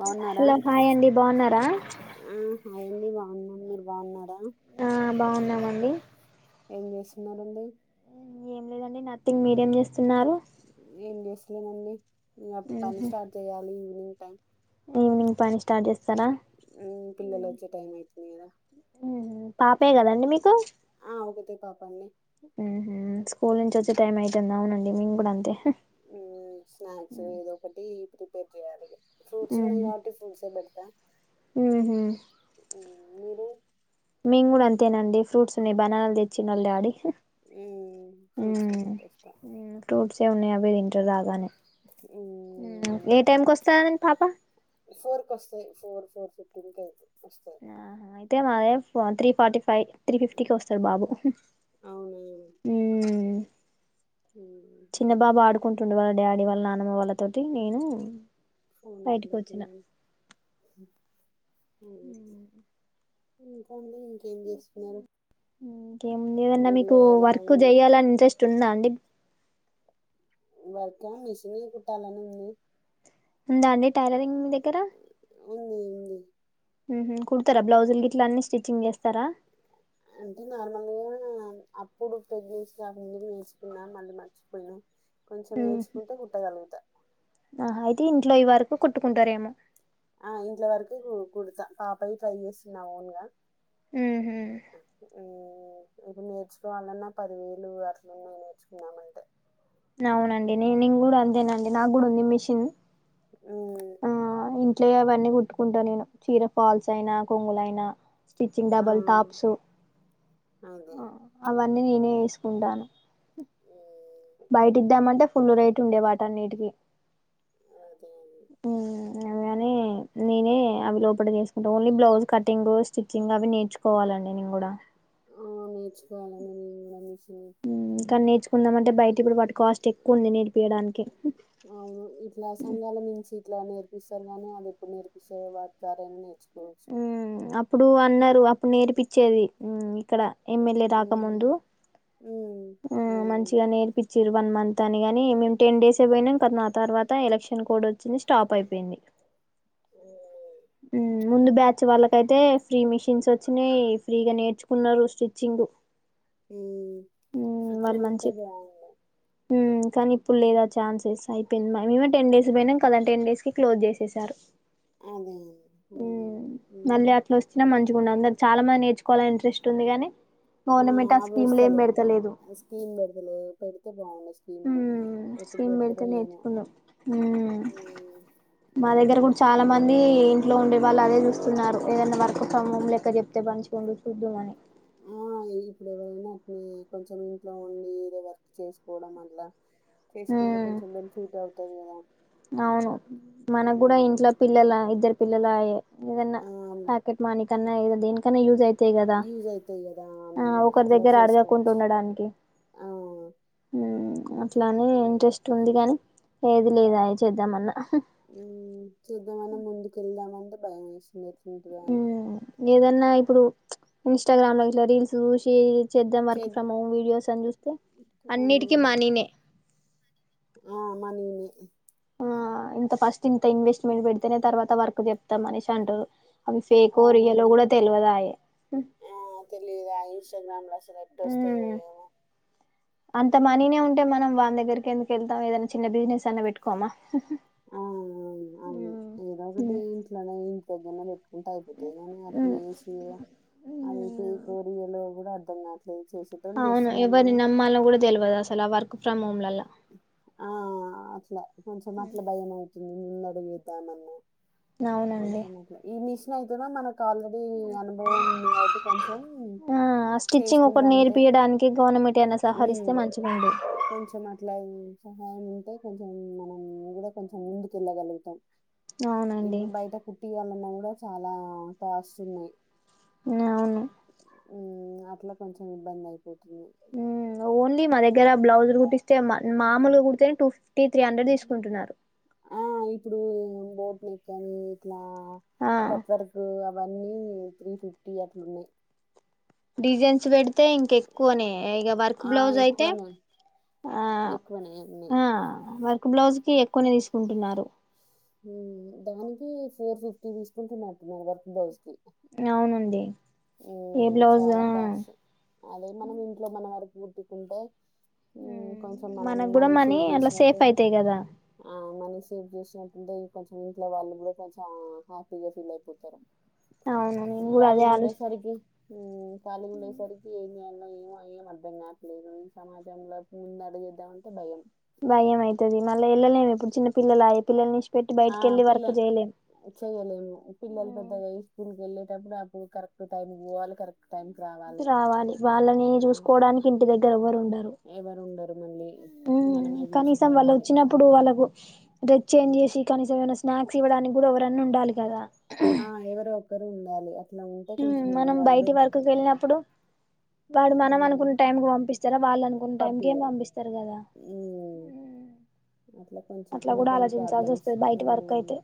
బాగున్నారా hello hi అండి బాగున్నారా హాయండి బాగున్నా మీరు బాగున్నారా ఆ బాగున్నామండి చేస్తున్నారుడి దండి నథింగ్ మీడియం చేస్తున్నారు ఏ చేస్లే అీ ఇకా పని ఉహు స్టార్ట్ చేయ్యాలి టైమ్ ఈవినింగ్ పని స్టార్ట్ చేస్తారా పిల్లల వచ్చే టైం అవుతుంది కదా పాపయ కదండి మీకు ఆ ఒకతే పాప అండి స్కూల్ నుంచి వచ్చే టైం అయితుందా అవునడి అమి స్నాక్స్ ఏదో ఒకటి ఇప్పుడు పెజే అనికి ఫ్రూట్స్ ఉన్నాము కాబటి ఫ్రూట్స్ ఏ పెడతా హ మీరు మేం కూడా అంతేనండి ఫ్రూట్స్ని బనానాల్ తెచ్చినాల్ ఆల్ డాడి మ్మ్ హ్మ్ ఫ్రూట్సే హ్ పెట్టేస్తా ఫ్రూట్స్ [unintelligible] అవి తిన్త్రు బాగానే హ్మ్ మ్మ్ ఏ టైంకి వస్తనన్నింది పాప గింతది ఆ అయితే మాదేవ్ త్రీ ఫార్టీ ఫైవ్ త్రీ ఫిఫ్టీకి వస్తాద్ బాబు అవునా హ్మ్ చిన్న మ్మ్ బాబు ఆడుకుంటుండే వాళ్ళ డాడీ వాళ్ళ నాన్నా వాళ్లతోటి నేను ఫోన్ బయటికి మలతున్నాను హ్మ్ ఇంకా ఇంకేముంది ఏదన్నా మీకు ఊర్లో ఎలా వర్క్ ఉంది చేయ్యాలని ఇంట్రెస్ట్ ఉందా అండి వర్క మెషినీ కుట్టాలని ఉంది ఉందా అని టైలరింగ్ మీ దగ్గర ఉంది ఉంది కుడతారా బ్లౌజుల్ గిట్లా అన్నీ స్టిచ్చింగ్ చేస్తారా అంటే నార్మల్గా అప్పుడు ప్రెగ్నెన్సీ రాకముందు నేర్చుకున్నా మళ్ళీ మర్చిపోయినా కొంచెం ఊ నేర్చుకుంటే కుట్టగలుగుతా ఆహా అయితే ఇంట్లో ఈ వరకు కుట్టుకుంటారేమో ఆ ఇంట్లో వరకి కు కుడుతా పాపవి ట్రై చేస్తున్నా ఓన్ గా ఉహు ఊ ఇప్పుడు నేర్చుకోవాలిన్నా పదివేలు అట్లు ఉన్నాయి నేర్చుకుందామంటే అవునండి నే నను కూడా అంతేనండి నాకు కూడా ఉంది మిషిన్ ఊ ఇంట్లో అవన్నీ కుట్టుకుంటా నేను చీర ఫాల్స్ అయినా కొంగుల అయినా స్టిచ్చింగ్ ఆ, డబల్ టాప్స్ అదే అవన్నీ నేనే ఉండాను ఉమ్, బయట ఇద్దామంటే ఫుల్ రేట్ ఉండే వాటన్నిటికిీ అదే అదే హ్మ్ కాని నేనే అవి లోపల చేసుకుంటా ఓన్లీ బ్లౌజ్ కటింగ్ స్టిచ్చింగ్ అవి నేర్చుకోవాలండి నేను కూడా అవును నేర్చుకోవాలండి నేను కూడా మెషిను నేర్చకుందామని అంటే బయట ఇప్పుడు వాటి కాస్ట్ ఎక్కువ ఉంది నేర్పీయడానికి అవును ఇస్తారుగానే అది ఇప్పుడు నేర్పిసే వా ఊ అప్పుడూ అన్నారు అప్ ఇప్పుడ్ నేరిపిచ్చేది ఊ ఇక్కడ ఎమ్మెల్యే రాకముందు ఉమ్ ఉమ్ ఆ అవును మంచిగా నేర్పిచిరు వన్ మంత్ తని గని మేమ్ టెన్ డేసే పొయినం కర్ నా తర్వాత ఎలక్షన్ కోడ్ ఒచ్చింది స్టాప్ అయిపేంది ఊ ముందు బ్యాచ్ వాళ్ళకైతే ఫ్రీ మిషిన్స్ ఒచ్చినాయి ఫ్రీగా నేర్చుకున్నారు స్టిచ్చింగు ఊ ఊ వాళ్ళు మంచిక్ ఊ కానీ ఇప్పుడ్ లేద్ ఆ చాన్సస్ అయిపెయినై [unintelligible] టెన్ డేస్ పోయినంక్ కదా టెన్ డేస్కి క్లోజ్ జేసెసారు అదే ఉమ్ అవునవును మళ్ళీ ఉమ్ అట్ల వొస్చ్న మంచిగుండు అందర్ చాలా మంది నేర్చుకోవాల అని ఇంట్రెస్ట్ ఉంది గాని గౌర్నమెంట్ ఆ అవి స్కీములు ఏం వస్తలేవ్ బెడ్ద్ ఆ స్కీమ్ పెడతలే పెడితే బావుండే స్కీములు మ్మ్ ఎప్పుడు స్కీమ్ పెడతరో పెడితే ఏమో నేర్చుకున్నాం మ్మ్ ఊ తాలా మందీ ఇంట్లో ఉండే వాళ్ళు అదే చూస్తున్నారు ఏదన్న వర్క్ ఫ్రం హోం లెక్క చెప్తే మంచిగ ఉండు ఉద్దుమని ఆ ఇప్పుడు ఎవరైన అట్ని కొంచం ఇంట్లో ఉండి ఈరె వర్క్ చేసుకోవడం అల్లా చేసుకుంటే మ్మ్ కొంచం బెనిఫీట్ అవుతది కదా అవును మనగ్ గుడ ఉమ్ ఇంట్లో పిల్లలా ఇద్దరు పిల్లలా ఎదె ఏదన్న ఆ పాకెట్ మనిక్ పన్నయ్ గదా దేనిక్ తన యూజ్ అయితై గదా యూజ్ అయితాయి కదా ఆ ఒకొర్ అట్లా దగ్గెర అడగకుంట్ చేసుకోవచ్చు ఉండడానికి ఆ ఊ అట్లానే ఇంట్రెస్ట్ ఉంది గాని ఏది లేదా అయి చేద్దామన్న బ్యాంగిల్స్ ఏదన్న ఇప్పుడు ఇష్ ఇంస్టాగ్రామ్లో ఇట్ల రీల్స్ చూసి చేద్దాం వర్క్ ఫ్రం హోం వీడియోస్ అన్ చూస్తే అన్నిటికి మనీనే ఆ మనీనే ఆ ఇంత ఫస్ట్ ఇంత ఇన్వెస్ట్మెంట్ పెడితెనే తర్వాత వర్క్ జెప్తం అనేసి అంటరు అవి ఫేకో రియలో గుడ అవునవును తెల్వదాయే పా టెన్ మ్యాన్ వశలు ఎట్ ఒస్తయో ఏమో అంత మనీనే ఉంటే మనం వాన్ దగ్గరికి ఎందుకు ఎళ్తాం ఏదన్న చిన్న బిజినెస్ అన్న బెట్టుకోమా ఆ అవును అవును ఏదోకటి ఇంట్లోనే ఇంటి దగ్గరనే అంట అయిపోతంది కాని అట్ల్ ఉమ్ ఏశి అది పేకో రియలో కూడా అన్నా చేసిద్దాం అవును చేస్తున్నాను ఎవరిని కానీ నమ్మాలో కూడా తెలవదు అసలు ఆ వర్క్ ఫ్రమ్ హోమ్లలా ఆ అట్లా కొంచెం ఏమవుతుంది ముంద అడుగుతా మన్న అవునండి కొంచెం అట్ల మ ఈమిశ్ తున మన ఆల్రెడీ అనుభవం ఉంది కాబట్టి కొంచెం ఆ ఆ స్టిచ్చింగ్ చేసుకుంట ఒకటి అంటే నేర్పియడానికి గవర్నమెంట్ ఏమైనా మ్ సహరిస్తే మంచిగుండు కొంచెం అట్లా సహాయం ఉంటే కొంచెం మనం కూడా కొంచెం ముందుకెళ్ళగలుగుతం అవునండి ఇప్పుడు బైట కుట్టి న్నా కూడా చాలా కాస్ట్ ఉన్నాయి నవును మ్ అట్ల కొంచెం ఇబ్బంది అయి మ్ ఓన్లీ మ దగ్గర బ్లౌజు గుటిస్తే మామలు గుడ్తె ఆ ఇప్పుడుూం నెకనీ ఇట్లా ఆ కట్వర్కు వన్నీ త్రీ ఫిఫ్టీ అట్లున్నయి డిజైన్స్ వెడితే ఇంకెక్కువని ఇక వర్క్ ఆ బ్లౌజ్ అయితే ఎక్కువనే ఎక్కువనే ఉన్నాయి ఆ వర్క్ బ్లౌజ్ కి ఎక్కువనే తీసుకుంటున్నారు ఉం దానికి ఫోర్ ఫిఫ్టీ తీసుకుంటున్నట్టున్నారు వర్క్ బ్లౌజ్ కి అవునండి ఏ ఉం బ్లౌజ్ చాలా ఆ కాస్ట్ అదే మనం ఇంట్లో మన వరకు ముట్టుకుంటే ఉమ్ కొంచెం మనం మనకు కూడా మనీ సేవ్ అట్లా సేఫ్ చేసినటయితే అయితాయి కదా ఆ మనీ సేవ్ చేసిన అంటే కొంచెం ఇంట్లో వాళ్ళు కూడా కొంచెం హ్యాపీగా ఫీల్ అయిపోతారు అవును నేన్ గూడ అదే ఆలోచి సరికి మ్ ఖాళీ ఉండేసరికి ఏం చేయాలి లి ఏమో ఏం అర్థం కావట్లేదు ఈ సమాజంలోకి ముందు అడుగేద్దామంటే భయం భయం అయితది మళ్ళ ఎళ్ళలేమ్ ఇప్పుడు చిన్న పిల్లలు అయి పిల్లల్ని ఇశ్ ఆ పిల్లలు చెయలేము పిల్లలు పెద్దగయి స్కూల్ కెళ్ళ్ తెప్పుడాపు కరేక్ట్ టైం కి పోవాలె కర రావాలి వాళ్ళని ఆ జుస్కోవడానికి ఇంటి దగ్గర ఎవ్వరు ఉండరు. ఎవరు ఉండరు మళ్ళీ ఉహ్ మనమే కనీసం వాళ్ళు చూసుకోవాలి వచ్చినప్పుడు వాళ్ళకు డెచ్ చేంజ్ చేసి కనీసం ఏమైనా స్నాక్స్ ఇవ్వడానికి కూడా ఎవరన్న ఉండాలి కదా. ఆ ఎవరో ఒక్కరు ఉం డాలిగా ఇట్ల ఉంటే కొంచెం ఏం మనం కాదు బయటి బెనిఫిట్ వరకుకి అవుత వెళ్ళినప్పుడు వాడు మనం అనుకున్న టైం కు పంపిస్తారా వాళ్ళు అనుకున్న టైం కే పంపియ్యరు పంపిస్తారు కదా, మ్మ్ అట్లా కొంచెం అట్లా కొన్ని కూడా కొన్ని ఆలోచించాల్సి ప్రాబ్లమ్స్ వస్తది బయటి వర్క్ మ్మ్ అయితే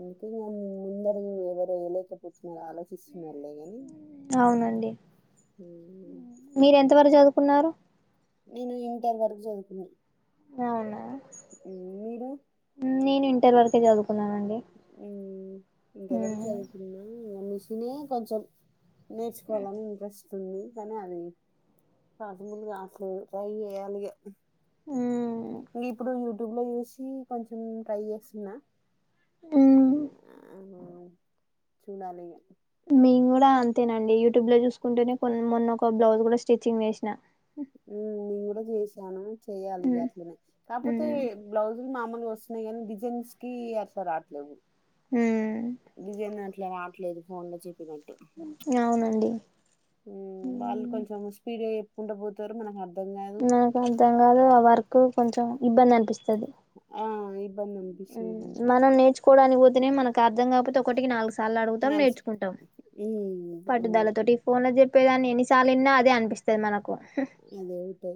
అందుకే ఇగ ముందడుగు ఎవరెయ్యలేకపో మీర్ ఆలోచిస్సునర్ళే కానీ అవునండి, మీరు ఎంతవరకు చదువుకున్నారు. నేను ఇంటర్ వరకు జదువుకున్న నవునా ఉ మీరు నేను ఇంటర్ వరకె చదువ్ ఉ ఇంటర్ వరకు మ్మ్. చదువుకున్న అన్నిస్ నే కొంచం నేర్చుకోవాలని ఇంట్రెస్ తుంది కానీ అది పాసింగ్లు గాస్లు ట్రై చేయాలిగ మ్మ్. యూటుబ్లో చూసి కొంచెం ట్రై చేస్సున్నా మ్మ్. ఆ చూడాలిగా మేం గూడా అంతేనండి యూటుబ్ లో చూసుకుంటేనే కొన్ మొన్న ఒక బ్లౌజ్ కూడా స్టిచ్చింగ్ చేస్న ఉ నిం కూడా చేసాను. చెయాలిగ మ్మ్. అట్లనే కాకపోతే మ్మ్. బ్లౌజ్ మామూన్గా వస్సున్నయి కానీ డిజైన్స్ కి అర్స రావట్లేవు. హు ఇట్ల రావట్లేదు ఫోన్ లో చెప్పినట్ అవునండి. ఉ వాళ్ళు మ్మ్. కొంచెం స్పీడ్ ఎ కుంటబోతారు మనకు అర నాకు అర్థం కాదు ఆ వర్క్ కొంచెం ఇబ్బంది అనిపిస్తది. ఆ ఇ ఉ మనం నేర్చుకోవడానికి పోతేనే మనకు అర్ధం కాకపోతే ఒకటికి నాలుగు సార్లు అడుగుతాం నల్స్ నేర్చుకుంటాం. హ్మ్. అవును. పట్టుదాల తొటి ఇ ఫోన్ల చెప్పేదాన్ని ఎన్నిసార్లున్నా అదే అనిపిస్తుది మనకు ఆది ఒకటి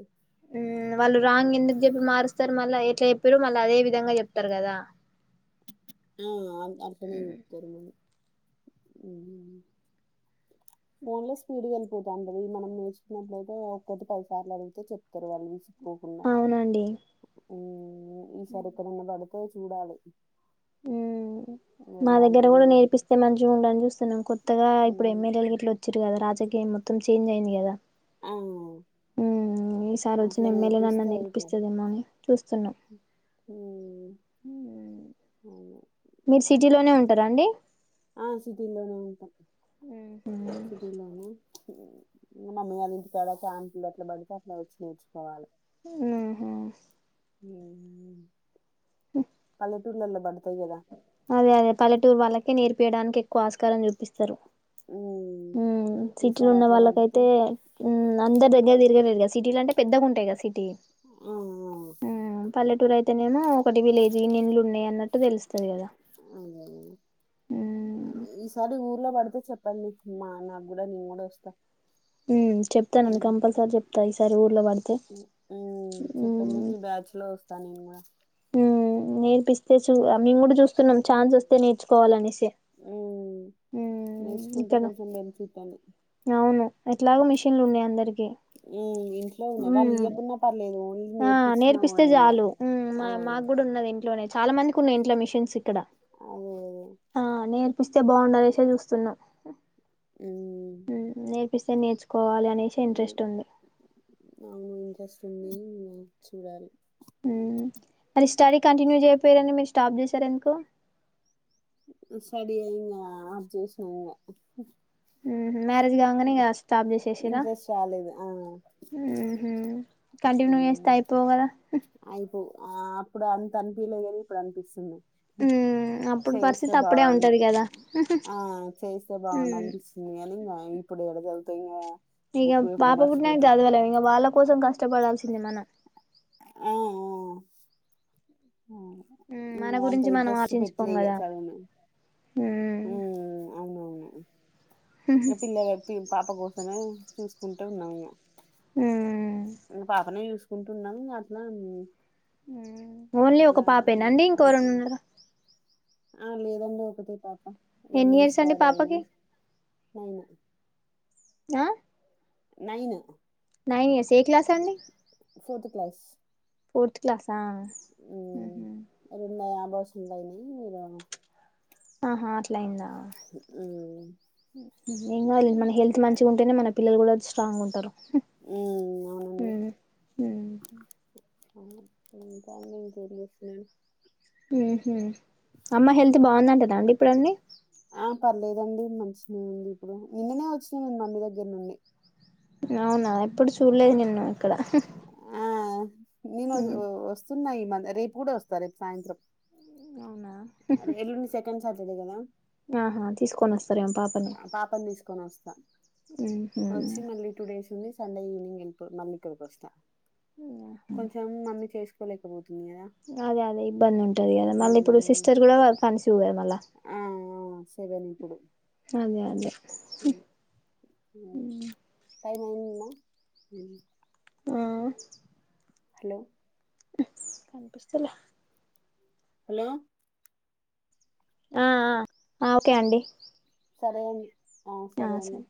వాళ్ళు రాంగ్ ఎందుకు చెప్పి మారుస్తారు మళ్ళా ఎట్లా చెప్పారుమళ్ళా అదే విధంగా చెప్తారు కదా ఆ అ అట్లనే చెప్తారు మా ఉమ్ ఫోన్ లో స్పీడ్ గా వెళ్ళిపోతా ఉంటది మనం నేర్చుకున్నట్లయితే ఒక్కటి పదిసార్లు అదిగితే చెప్తారు వాళ్ళు నుంచి గకుండ అవునండి ఓ ఈ సారి ఎప్పుడ్ అన్న పా తే చూడాలి ఉమ్ మా వెళ్ళాలి దగ్గర కూడా వెళ్ళి నేర్పిస్తే మంచిగా ఉండాలని చూస్తున్నాం కొత్తగా ఇప్పు హ్మ్. ఎమ్మెల్యేల ఇట్లా వచ్చారు కదా రాజక్ ఇంకేం మొత్తం చేంజ్ అయింది కదా అవును ఉమ్ ఈసారి వచ్చు ఎమ్మెల్యే నాన్న అయిపో నేర్పిస్తదేమో అని చూస్తున్నా హ్మ్. అవును. మీరు సిటీలోనే ఉంటారా అండి ఆ సిటీలో నే ఉంట ఉమ్ హమ్ మా మీ అది ఇంటి కాడా చ ఆంటలు అట్లా పడితే అట్లా వచ్చి నేర్చుకోవాలి ఆహా ఉమ్ అళ ూళ్లల పడతాయి కదా అదే అదే పలెటూరు వాళ్ళకే నేర్పియడానికిక్ కు ఆస్కారం చూపిస్తారు హ్మ్ ఉ సిటీలో ఈసారి ఉన్న అట్లా పడితే వాళ్ళకైతే అందరి దే ఇ తిరలేదు సిటీ అంటే పెద్దగాంటాయి కద సిటీ ఆ ఆ టి ఉమ్ పల్లెటూరు అయితేనేమో ఒకటి విలేజ్ నిళ్లు ఉన్నాయి అన్నట్ అ తెలుస్తుంది కదా అదే ఉమ్ ఈసారి ఊర్లో పడితే చెప్పండి మా నాకు కూడా నేను కూడా వస్తా ఉమ్ చెప్తానండి హ్మ్ కంపల్సరీ చెప్తాను ఈసారి ఊర్లో పడితే హ్మ్ చెప్పండి ఉమ్ మీ బ్యాచ్ లో వస్తా నేను కూడా నేర్పిస్తే చూ మేము కూడా చూస్తున్నాం ఛాన్స్ వస్తే నేర్చుకోవాలినేసి హ్మ్ ఉమ్ నేర్చుకుంటే ఇక్కను కొంచెం బెనిఫిట్ అని అవును ఎట్లాగ మిషిన్లు ఉన్నాయి అందరికి హ్మ్ ఇంట్లో ఉన్నాయి వాళ్ళు ఉమ్ ఇయ్యకున్నా పర్లేదు ఓన్లీ ఆ నేర్పించినా నేర్పిస్తే ఏం కాదు చాలు మా ఆ మాకు కూడా ఉన్నది ఇంట్లోనే చాలా మంది ఉన్నాయి ఇంట్లో మిషన్స్ ఇక్కడా అదే అదే ఆ నేన్ పస్తే బాగుండాలసే చూస్తున్నాం ఉమ్ పిసే నేచుకోవాలి అ ఇంట్రెస్ట్ ఉంది తుమ్ీ చూడల్ మరి స్టడీ కంటిన్యూ చేయపోయారని మీరు స్టాప్ చేసార ఎందుకు సర ఇంగ ఆ చే వసిన మ్యారేజ్ కాగానే కాస్తా స్ాబ్ చే చేసిరా ఇంట్రెస్ట్ రాలేదు ఆ కంటిన్యూ చేస్తే హ్మ్ అయిపోగదా అయిపో ఆ అప్పుడు అంత అనిపిలే కానీ ఇప్పుడు అనిపిస్తుంది ఉమ్ అప్పుడు చేస్తే పరిస్థితి అప్పుడే బాగుం ఉంటది కదా ఆ చేస్తే బాగుం అనిపిస్తుంది అని ఇంకా ఇప్పుడు ఎడ చదువుతుంది తంగే ఇక పాప పుటి నాకు చదువలే ఇక వాళ్ళ కోసం కష్టపడా సినిమాన ఆఓ ఉమ్ మన అంత గురించి మనం ఇడ్రెస్ట్ ఆలోచించుకోం పెట్టలేగా కదా చదువును హ్మ్ అవునవును ఎ పిల పాప పో అ చూసుకుంటే ఉన్నాం ఇకా ఉ పాప నసు కుంటున్నాము అట్లా ఓన్లీ ఒక అట్లా ఇంగ పాపేనాండి ఇంకెవర అయిపోయింది. ఉన్నారు ఆ లేదండి ఒకద పాప ఎన్ని ఇయర్స్ అండి మనిస్కార పాపకి అనానా అ నైను నైన్ ఇయర్స్ ఏ క్లాస అండి ఫోర్త్ క్లాస్ ఫోర్త్ క్లాసా రెండ బస్ంద న మీరు ఆహా మ్మ్ మన హెల్ మంచింటే మ పిల్లలు కూడాది స్ట్రాంగ్ ఉంటారు మ్మ్ హ్మ్ హ్మ్ మ్మ్ [unintelligible] మ్మ్ హ్మ్ అమ్మ హెల్త్ బాగుందంట దండి ఇప్పుడన్నీ ఆ పర్లేదండి మంచినే ఉంది ఇప్పుడు నిన్ననే వచ్చినా నేను మమ్మీ దగ్గర నుండి అవునా ఎప్పుడు చూడలేదు నిన్ను ఇక్కడ ఆ నేను వస్ వస్తున్నాయి మ రేపు కూడా వస్తా రేపు సాయంత్రం అవునా అర ఎల్లుండి సెకండ్ సాటర్డే కద ఆహా తీసుకొని వస్తారేమో పాపని ఆ పాపని తీసుకొని వస్తా వచ్చి మళ్ళీ టూ డేస్ ఉండి సండే ఈవినింగ్ ఎల్పో మల్లిక్కడికొస్తా కొంచెం మమ్మీ చేసు తు లేకపో అదే అదే ఇబ్బంది ఉంటది కదా మళ్ళీప్పుడు మ్మ్ సిస్టర్ కూడా వర్ టువే మల్ల సెవెనిప్పుడు అదే అదే మ్మ్ టైం అయిన్న ఆ హలో కనిపిస్తల హలో ఆ ఆ ఓకే అండి సరే అండి ఆ సరే అండి